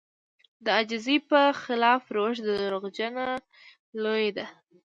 د عاجزي په خلاف روش دروغجنه لويي ده.